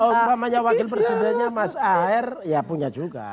umpamanya wakil presidennya mas aher ya punya juga